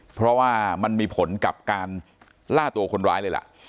เพราะว่ามันมีผลกับการล่าตัวคนร้ายเลยล่ะ